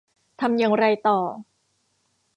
ทำอย่างไรต่อ